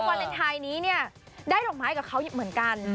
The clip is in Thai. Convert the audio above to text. วาเลนไทยนี้เนี่ยได้ดอกไม้กับเขาเหมือนกัน